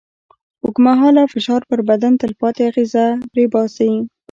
اوږدمهاله فشار پر بدن تلپاتې اغېزه پرېباسي.